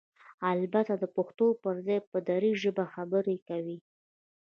البته دپښتو پرځای په ډري ژبه خبرې کوي؟!